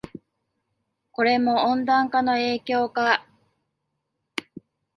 これも温暖化の影響か